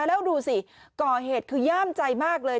แล้วดูสิก่อเหตุคือย่ามใจมากเลย